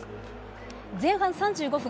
前半３５分。